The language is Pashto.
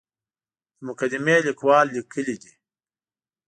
د مقدمې لیکوال لیکلي دي.